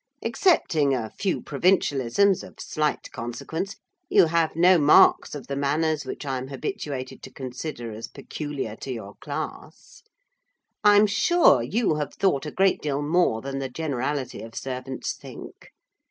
Excepting a few provincialisms of slight consequence, you have no marks of the manners which I am habituated to consider as peculiar to your class. I am sure you have thought a great deal more than the generality of servants think.